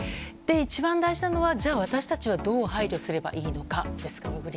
一番大事なのが、私たちはどう配慮したらいいのかです。